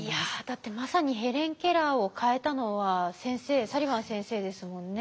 だってまさにヘレン・ケラーを変えたのは先生サリバン先生ですもんね。